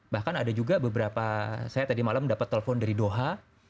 bahkan ada juga beberapa saya tadi malam dapat telepon dari doha